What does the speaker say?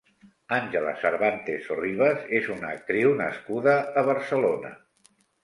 Ángela Cervantes Sorribas és una actriu nascuda a Barcelona.